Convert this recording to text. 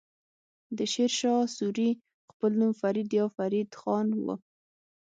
د شير شاه سوری خپل نوم فريد يا فريد خان وه.